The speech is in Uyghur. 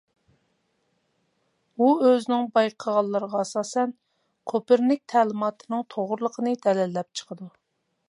ئۇ ئۆزىنىڭ بايقىغانلىرىغا ئاساسەن كوپېرنىك تەلىماتىنىڭ توغرىلىقىنى دەلىللەپ چىقىدۇ.